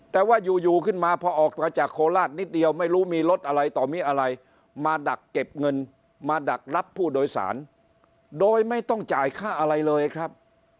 แต่ว่าอยู่ขึ้นมาพอออกมาจากโคราชนิดเดียวไม่รู้มีรถอะไรต่อมีอะไรมาดักเก็บเงินมาดักรับผู้โดยสารโดยไม่ต้องจ่ายค่าอะไรเลยครับ